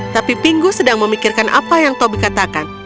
tapi pingu sedang memikirkan apa yang toby katakan